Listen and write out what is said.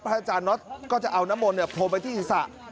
พระอาจารย์น็อตก็จะเอาน้ำมนต์โผล่ไปที่ศิษย์ศาสตร์